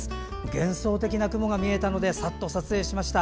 幻想的な雲が見えたのでさっと撮影しました。